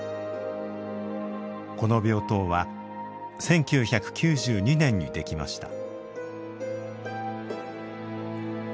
この病棟は１９９２年にできました。